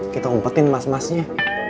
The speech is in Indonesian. kita umpetin mas masnya